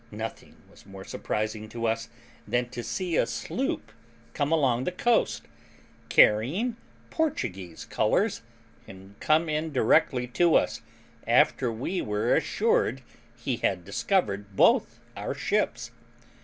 Nothing was more surprising to us than to see a sloop come along the coast, carrying Portuguese colours, and come in directly to us, after we were assured he had discovered both our ships.